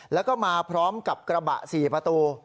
แล้วก็มาพร้อมกับกระบะ๔ประตู